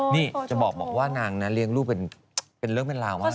นี่จะบอกว่านางนะเลี้ยงลูกเป็นเรื่องเป็นราวมาก